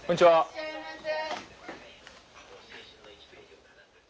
いらっしゃいませ。